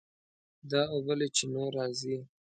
دا اوبه له چینو راځي.